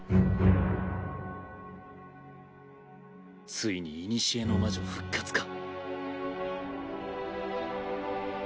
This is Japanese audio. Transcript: ついに古の魔女復活か。